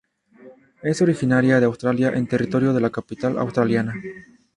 Es originaria de Australia en Territorio de la Capital Australiana.